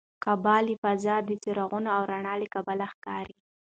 کعبه له فضا د څراغونو او رڼا له کبله ښکاري.